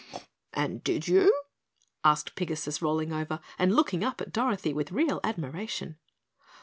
"And did you?" asked Pigasus, rolling over and looking up at Dorothy with real admiration.